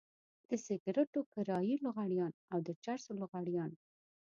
د سګرټو کرايي لغړيان او د چرسو لغړيان.